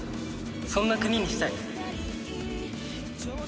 そんな国にしたい。